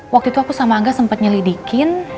waktu itu aku sama angga sempat nyelidikin